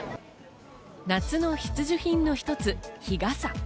夏の必需品の一つ、日傘。